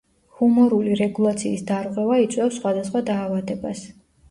ჰუმორული რეგულაციის დარღვევა იწვევს სხვადასხვა დაავადებას.